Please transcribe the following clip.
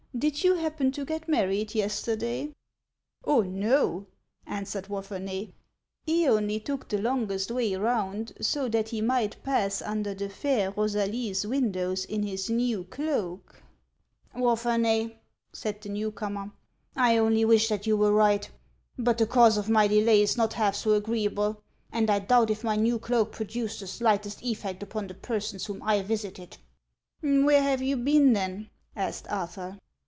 Did you happen to get married yesterday ?"" Oh, no !" answered Wapherney ;" he only took the longest way round, so that he might pass under the fair Rosalie's windows in his new cloak." " Wapherney," said the new comer, " I only wish that you were right. But the cause of my delay is not half so agreeable ; and I doubt if my new cloak produced the slightest effect upon the persons whom I visited." " Where have you been, then ?" asked Arthur.